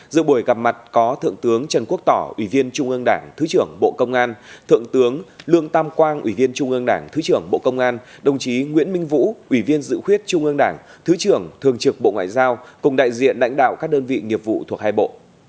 giữa buổi gặp mặt có thượng tướng trần quốc tỏ ủy viên trung ương đảng thứ trưởng bộ công an thượng tướng lương tam quang ủy viên trung ương đảng thứ trưởng bộ công an đồng chí nguyễn minh vũ ủy viên dự khuyết trung ương đảng thứ trưởng thường trực bộ ngoại giao cùng đại diện lãnh đạo các đơn vị nghiệp vụ thuộc hai bộ